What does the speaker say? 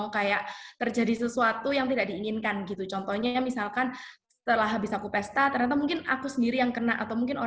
karena ini juga membuat saya merasa tidak bisa mengerti